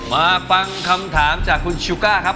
มาฟังคำถามจากคุณชิวก้าครับ